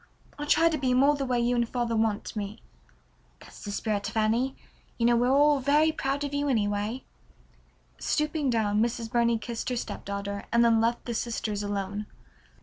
I'll try to be more the way you and father want me." "That's the right spirit, Fanny. You know we're all very proud of you anyway." Stooping down Mrs. Burney kissed her stepdaughter, and then left the sisters alone.